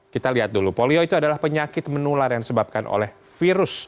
kita lihat dulu polio itu adalah penyakit menular yang disebabkan oleh virus